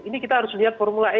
ini kita harus lihat formula a ini